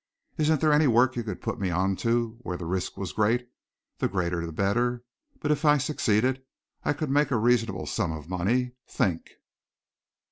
Isn't there any work you could put me on to where the risk was great the greater the better but if I succeeded I could make a reasonable sum of money? Think!"